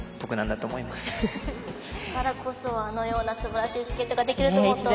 だからこそあのようなすばらしいスケートができると思うと。